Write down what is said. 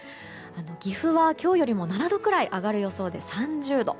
岐阜は今日よりも７度くらい上がるくらいで３０度。